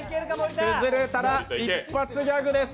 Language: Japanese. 崩れたら一発ギャグです。